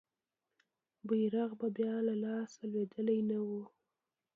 بیرغ به بیا له لاسه لوېدلی نه وو.